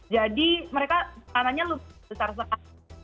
jadi mereka kanannya lupa besar besar